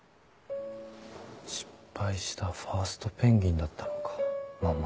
失敗したファーストペンギンだったのかママは。